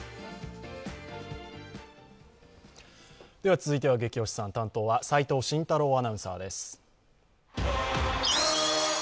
続いては「ゲキ推しさん」担当は齋藤慎太郎アナウンサーです。